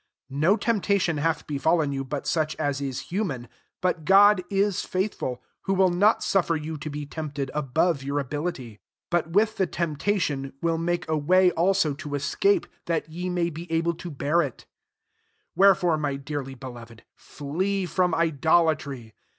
13 No temptation hath befallen you, but such as is human : but God ie faitfafbl) who will not suffer you to be tempted above your ability; but with the temptation wM make a way also to escape, that ye may be able to bear it* 14 Wherefore, my dearly be loved, flee from idolatry.